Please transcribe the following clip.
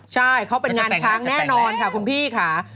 ใช่เขาเป็นงานช้างแน่นอนค่ะคุณพี่ค่ะ